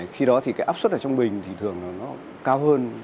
khi đó thì cái áp suất ở trung bình thì thường nó cao hơn